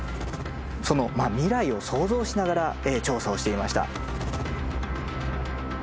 その未来を想像しながら調査をしていました。